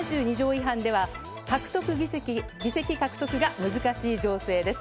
違反では議席獲得が難しい情勢です。